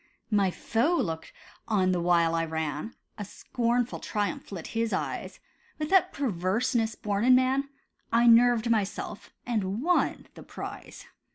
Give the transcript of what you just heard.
My foe looked on the while I ran; A scornful triumph lit his eyes. With that perverseness born in man, I nerved myself, and won the prize.